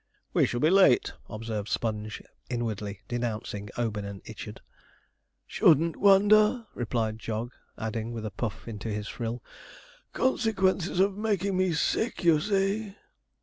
'We shall be late,' observed Sponge inwardly denouncing 'Obin and Ichard.' 'Shouldn't wonder,' replied Jog, adding, with a puff into his frill, 'consequences of making me sick, you see.'